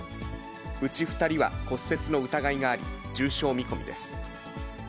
うち２人は骨折の疑いがあり、重傷見込みです。